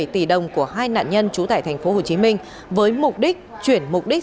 một mươi tỷ đồng của hai nạn nhân trú tại tp hcm với mục đích chuyển mục đích